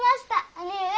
兄上。